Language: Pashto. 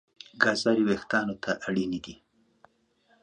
ګازرې وېښتيان تغذیه کوي.